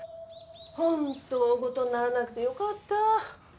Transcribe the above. ホント大ごとにならなくてよかった。